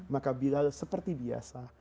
maka bilal seperti biasa